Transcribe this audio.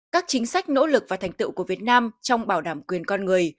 các chính sách nỗ lực và thành tựu của việt nam trong bảo đảm quyền con người